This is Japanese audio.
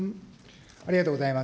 ありがとうございます。